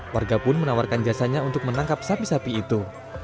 warga pun menawarkan jasanya untuk menangkap sapi sapi itu